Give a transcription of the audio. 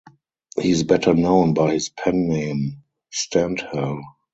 He is better known by his pen name Stendhal.